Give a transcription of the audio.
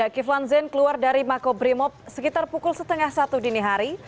kiflan zen keluar dari mako brimob sekitar pukul setengah satu dini hari